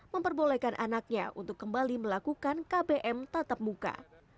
memperbolehkan anaknya untuk kembali melakukan kbm tatap muka